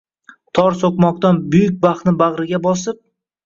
Tor so’qmoqdan buyuk baxtni bag’riga bosib